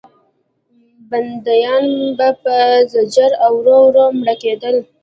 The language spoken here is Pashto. بندیان به په زجر او ورو ورو مړه کېدل.